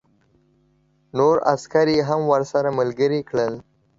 نور عسکر یې هم ورسره ملګري کړل